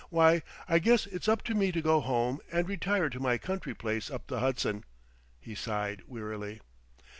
why, I guess it's up to me to go home and retire to my country place up the Hudson." He sighed wearily.